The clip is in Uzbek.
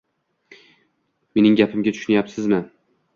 Mening gapimga tushunayapsizmi?